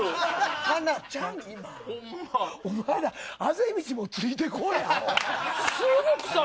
お前らあぜ道もついてこい。